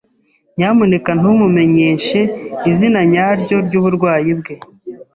Nyamuneka ntumumenyeshe izina nyaryo ry'uburwayi bwe.